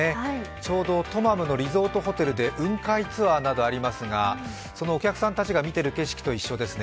ちょうどトマムのリゾートホテルなどで雲海ツアーなどがありますが、そのお客さんたちが見ている景色と一緒ですね。